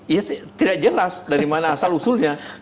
ya tidak jelas dari mana asal usulnya